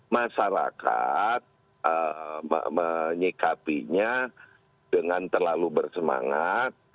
masyarakat menyikapinya dengan terlalu bersemangat